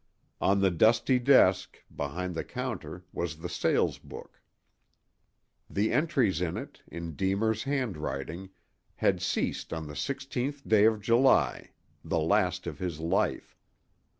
On the dusty desk, behind the counter, was the sales book. The entries in it, in Deemer's handwriting, had ceased on the 16th day of July, the last of his life.